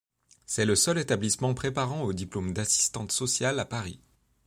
C'est le seul établissement préparant au diplôme d’assistante sociale à Paris.